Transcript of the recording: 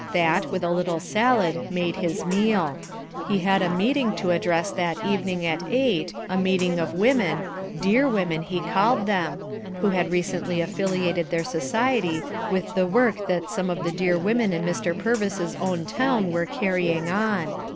That, with a little salad, made his meal. He had a meeting to address that evening at eight, a meeting of women "dear women" he called them who had recently affiliated their society with the work that some of the dear women in Mr. Purvis's own town were carrying on.